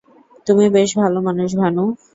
তুমি বেশ ভালো মানুষ, ভানু।